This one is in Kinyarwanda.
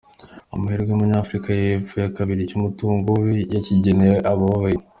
Umuherwe w’umunyafurika y’Epfo kimwe cyakabiri cy’umutungo we yakigeneye abababaye